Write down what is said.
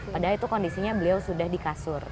padahal itu kondisinya beliau sudah di kasur